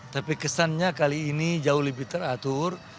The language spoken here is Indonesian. tapi kesannya kali ini jauh lebih teratur